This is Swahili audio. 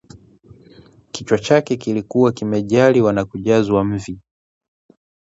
Kichwa chake kilikuwa kimejaliwa na kujazwa mvi